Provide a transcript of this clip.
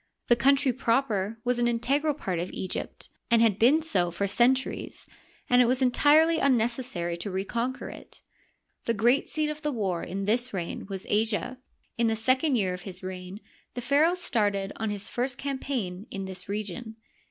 The country proper was an integral part of Egypt and had Digitized by VjOOQIC THE NINETEENTH DYNASTY. 89 been so for centuries, and it was entirely unnecessary to reconquer it. The great seat of the war in this reign was Asia. In the second year of his reign the pharaoh started on his first campaign in this region.